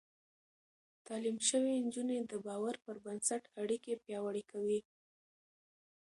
تعليم شوې نجونې د باور پر بنسټ اړيکې پياوړې کوي.